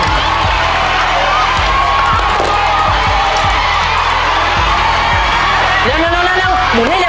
เร็วเร็วเร็วเร็ว